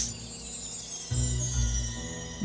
tapi bukan emas murni yang disihir dengan magis